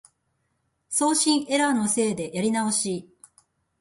送信エラーのせいでやり直し